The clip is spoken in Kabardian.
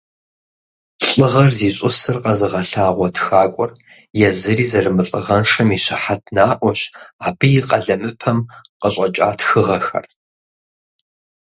ЛӀыгъэр зищӀысыр къэзыгъэлъагъуэ тхакӀуэр езыри зэрымылӀыгъэншэм и щыхьэт наӀуэщ абы и къалэмыпэм къыщӀэкӀа тхыгъэхэр.